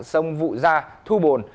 sông vụ gia thu bồn